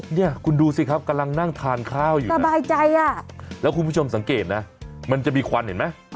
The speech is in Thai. เนี่ยคุณดูสิครับกำลังนั่งทานข้าวอยู่สบายใจอ่ะแล้วคุณผู้ชมสังเกตนะมันจะมีควันเห็นไหม